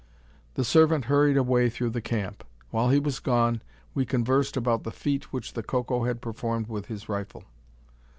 The servant hurried away through the camp. While he was gone, we conversed about the feat which the Coco had performed with his rifle.